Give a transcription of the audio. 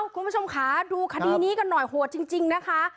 คุณผู้ชมค่ะดูคดีนี้กันหน่อยโหดจริงนะคะ